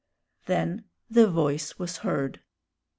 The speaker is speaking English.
Then the voice was heard.